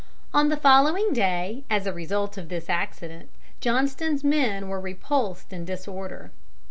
On the following day, as a result of this accident, Johnston's men were repulsed in disorder.